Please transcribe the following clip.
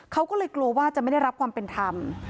เขาก็เลยกลัวว่าจะไม่ได้รับความเป็นธรรม